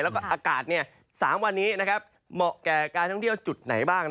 แล้วก็อากาศ๓วันนี้เหมาะแก่การท่องเที่ยวจุดไหนบ้าง